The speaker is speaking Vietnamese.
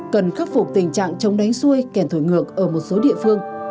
cần khắc phục tình trạng chống đánh xuôi kèn thổi ngược ở một số địa phương